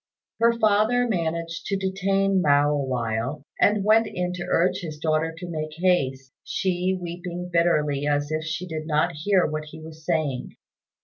Her father managed to detain Mao awhile, and went in to urge his daughter to make haste, she weeping bitterly as if she did not hear what he was saying.